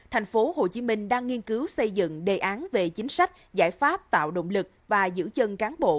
tp hcm đang nghiên cứu xây dựng đề án về chính sách giải pháp tạo động lực và giữ chân cán bộ